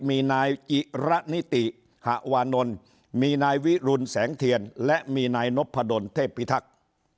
มีนายอิระนิติหะวานนท์มีนายวิรุณแสงเทียนและมีนายนพดลเทพิทักษ์